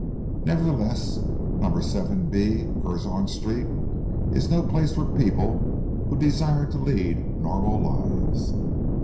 Nevertheless, number 70 b, Curzon Street is no place for people who desire to lead normal lives."